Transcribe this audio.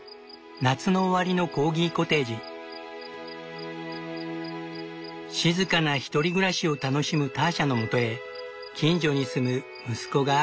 夏の終わりの静かな１人暮らしを楽しむターシャのもとへ近所に住む息子が